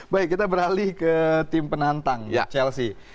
baik kita beralih ke tim penantang chelsea